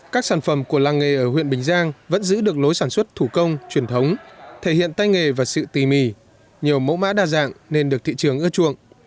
các sản phẩm của làng nghề ở huyện bình giang vẫn giữ được lối sản xuất thủ công truyền thống thể hiện tay nghề và sự tì mì nhiều mẫu mã đa dạng nên được thị trường ưa chuộng